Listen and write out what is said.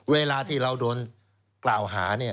เวลาที่เราโดนกล่าวหาเนี่ย